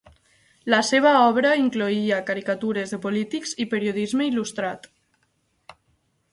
La seva obra incloïa caricatures de polítics i periodisme il·lustrat.